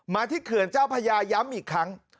ที่เขื่อนเจ้าพญาย้ำอีกครั้ง